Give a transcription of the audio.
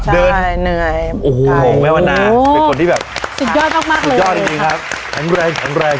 เดินโอ้โหแม่วนะเป็นคนที่แบบสุดยอดมากเลยครับแข็งแรง